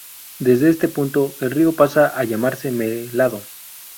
Desde este punto, el río pasa a llamarse Melado.